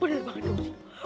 bener banget kamu sih